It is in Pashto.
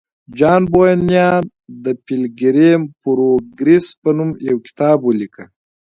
جان بونیان د پیلګریم پروګریس په نوم یو کتاب ولیکه